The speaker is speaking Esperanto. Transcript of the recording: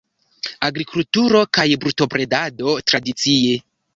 Agrikulturo kaj brutobredado tradicie.